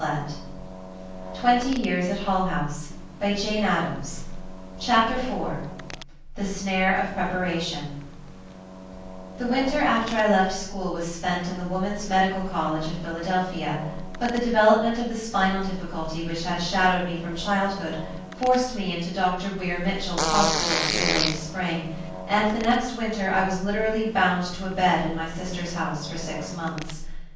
1910) pp. 65 88. [Editor: Mary Mark Ockerbloom] CHAPTER IV THE SNARE OF PREPARATION The winter after I left school was spent in the Woman's Medical College of Philadelphia, but the development of the spinal difficulty which had shadowed me from childhood forced me into Dr. Weir Mitchell's hospital for the late spring, and the next winter I was literally bound to a bed in my sister's house for six months.